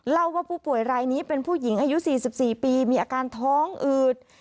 เล่าว่าผู้ป่วยรายนี้เป็นผู้หญิงอายุ๔๔ปีมีอาการท้องอืด